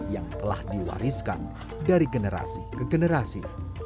yang telah diwariskan dari generasi ke generasi